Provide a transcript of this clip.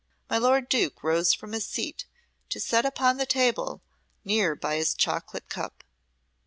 My lord Duke rose from his seat to set upon the table near by his chocolate cup.